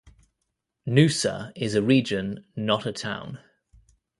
Noosa is a region, not a town.